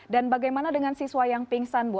dan bagaimana dengan siswa yang pingsan ibu